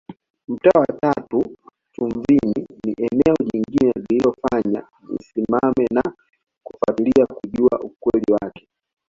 Mtaa wa tatu Chumvini ni eneo jingine lililofanya nisimame na kufatilia kujua ukweli wake